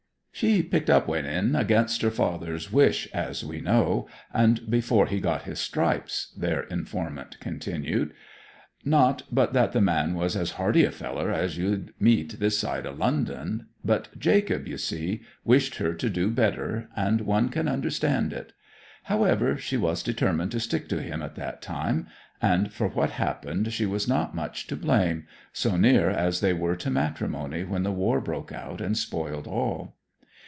'She picked up wi'en against her father's wish, as we know, and before he got his stripes,' their informant continued. 'Not but that the man was as hearty a feller as you'd meet this side o' London. But Jacob, you see, wished her to do better, and one can understand it. However, she was determined to stick to him at that time; and for what happened she was not much to blame, so near as they were to matrimony when the war broke out and spoiled all.'